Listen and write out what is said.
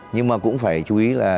nhưng mà cũng phải chú ý là